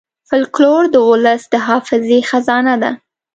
فلکور د ولس د حافظې خزانه ده.